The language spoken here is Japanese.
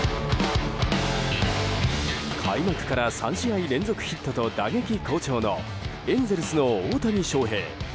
開幕から３試合連続ヒットと打撃好調のエンゼルスの大谷翔平。